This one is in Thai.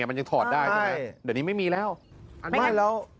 มันยังถอดได้นะคะเดี๋ยวนี้มีไม่มีที่แบบนี้